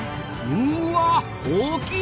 うわ大きい！